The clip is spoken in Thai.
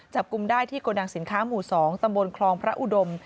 จับกลุ่มได้ที่โกดังสินค้าหมู่๒ตำบลคลองพระอุดม